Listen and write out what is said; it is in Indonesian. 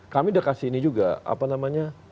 kami udah kasih ini juga apa namanya